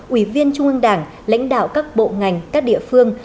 ủy viên trung ương đảng lãnh đạo các bộ ngành các địa phương